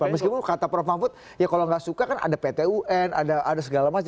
meskipun kata prof mahfud ya kalau nggak suka kan ada pt un ada segala macam